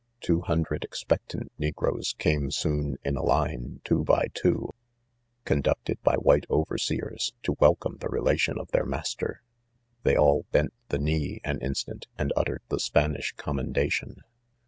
Two hundred expec tant negroes. came soon in a line, two by two, conducted by white overseers, to welcome the relation of their master \ they all bent the knee an instant, and uttered the Spanish commen dation.